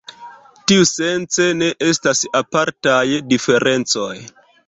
Tiusence, ne estas apartaj diferencoj.